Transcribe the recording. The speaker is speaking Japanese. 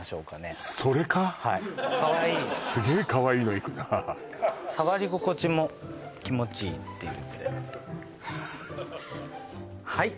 はいかわいいの触り心地も気持ちいいっていう